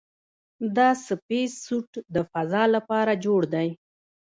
دا سپېس سوټ د فضاء لپاره جوړ دی.